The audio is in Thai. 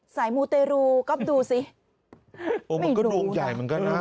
สายหมูเตรูก๊อบดูสิไม่รู้อ่ะมันก็ดวงใหญ่เหมือนกันนะ